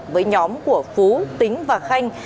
với nhóm của phú tính và khanh